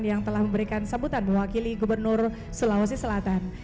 yang telah memberikan sambutan mewakili gubernur sulawesi selatan